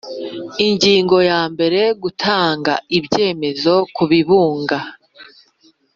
Ingingo ya mbere Gutanga ibyemezo ku bibuga